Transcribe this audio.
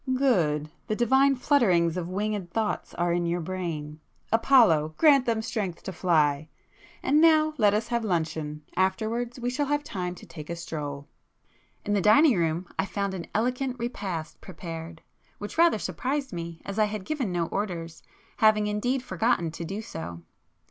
"Good! The 'divine flutterings' of winged thoughts are in your brain! Apollo grant them strength to fly! And now let us have luncheon,—afterwards we shall have time to take a stroll." In the dining room I found an elegant repast prepared, which rather surprised me, as I had given no orders, having indeed forgotten to do so.